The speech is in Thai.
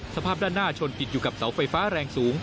สภาพด้านหน้าชนติดอยู่กับเสาไฟฟ้าแรงสูง